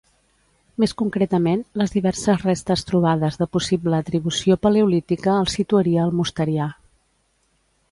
Més concretament, les diverses restes trobades de possible atribució paleolítica el situaria al Mosterià.